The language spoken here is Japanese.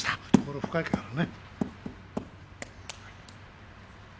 懐深いからね。